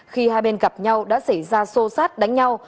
khi hai bên gặp nhau đã xảy ra xô xát đánh nhau